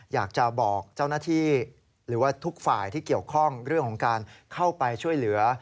อยากจะบอกเจ้าหน้าที่หรือว่าทุกฝ่ายที่เกี่ยวข้องเรื่องของการเข้าไปช่วยเหลือ